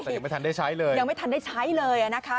แต่ยังไม่ทันได้ใช้เลยยังไม่ทันได้ใช้เลยอ่ะนะคะ